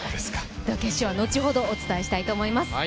決勝は後ほどお伝えしたいと思います。